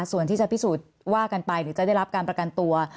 ส่วนที่จะพิสูจน์ว่ากันไปหรือจะได้รับการประกันตัว